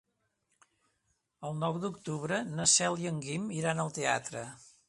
El nou d'octubre na Cel i en Guim iran al teatre.